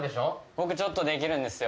僕ちょっとできるんですよ。